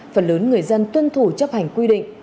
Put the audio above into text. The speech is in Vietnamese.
phần lớn người dân tuân thủ chấp hành quy định